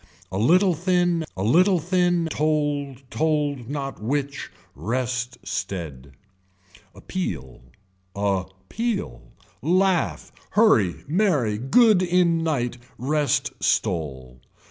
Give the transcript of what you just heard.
A little thin a little thin told told not which. Rest stead. Appeal, a peal, laugh, hurry merry, good in night, rest stole.